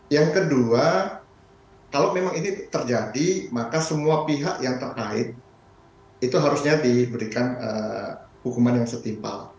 yang kedua kalau memang ini terjadi maka semua pihak yang terkait itu harusnya diberikan hukuman yang setimpal